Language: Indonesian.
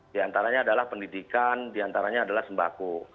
di antaranya adalah pendidikan di antaranya adalah sembako